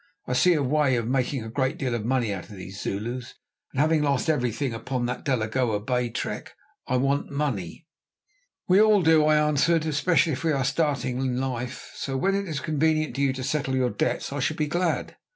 I see a way of making a great deal of money out of these Zulus; and having lost everything upon that Delagoa Bay trek, I want money." "We all do," I answered, "especially if we are starting in life. So when it is convenient to you to settle your debts I shall be glad."